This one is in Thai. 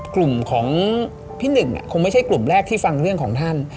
กลุ่มของพี่หนึ่งคงไม่ใช่กลุ่มแรกที่ฟังเรื่องของท่าน